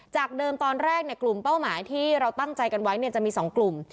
จากเดิมตอนแรกกลุ่มเป้าหมายที่เราตั้งใจกันไว้จะมี๒กลุ่ม